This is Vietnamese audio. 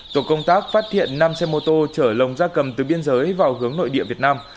tổ công tác phát hiện năm xe mô tô chở lồng ra cầm từ biên giới vào hướng nội địa việt nam